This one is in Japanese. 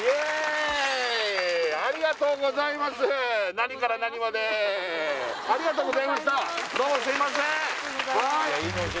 何から何までありがとうございました